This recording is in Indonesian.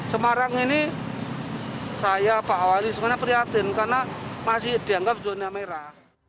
semarang ini saya pak wali sebenarnya prihatin karena masih dianggap zona merah